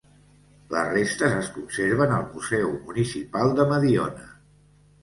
Les restes es conserven al museu municipal de Mediona.